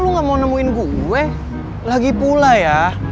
lalu gak mau nemuin gue lagi pulang ya